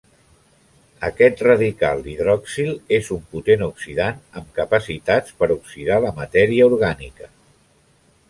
Aquest radical hidroxil és un potent oxidant amb capacitats per oxidar la matèria orgànica.